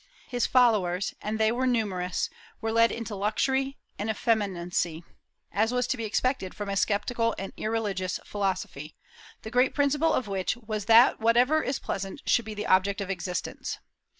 His followers, and they were numerous, were led into luxury and effeminacy, as was to be expected from a sceptical and irreligious philosophy, the great principle of which was that whatever is pleasant should be the object of existence.